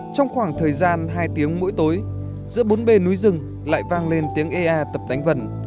trong khoảng thời gian hai tiếng mỗi tối giữa bốn bề núi rừng lại vang lên tiếng ea tập đánh vần